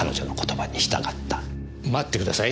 待ってください。